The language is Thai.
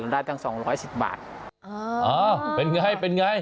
เราสามารถทำสองร้อยสิบบาทอ๋อเป็นไงเป็นไง